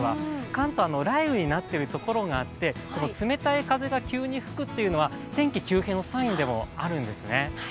関東、雷雨になっている所があって冷たい風が急に吹くというのは天気急変のサインでもあるんですね。